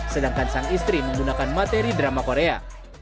sedangkan sang istri menggunakan materi drama korea